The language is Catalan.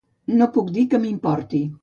No puc dir que m"importi.